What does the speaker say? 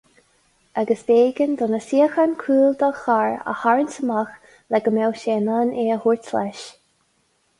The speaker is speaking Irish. Agus b'éigean do na suíochán cúil dá charr a tharraingt amach le go mbeadh sé in ann é a thabhairt leis.